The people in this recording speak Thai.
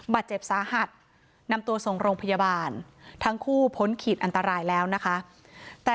บาดเจ็บสาหัสนำตัวส่งโรงพยาบาลทั้งคู่พ้นขีดอันตรายแล้วนะคะ